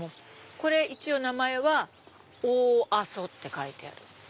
これ一応名前は「大阿蘇」って書いてある。